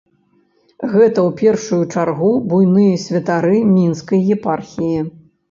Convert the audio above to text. Гэта ў першую чаргу буйныя святары мінскай епархіі.